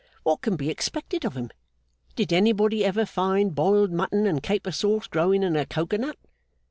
What can be expected of him? Did anybody ever find boiled mutton and caper sauce growing in a cocoa nut?